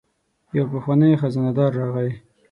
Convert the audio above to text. یو پخوانی خزانه دار راغی.